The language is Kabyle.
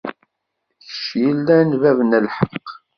Kečč yellan d bab n lḥeqq.